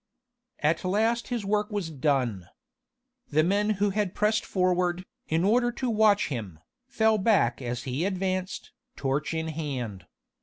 At last his work was done. The men who had pressed forward, in order to watch him, fell back as he advanced, torch in hand.